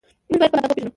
موږ باید خپل ادب وپېژنو.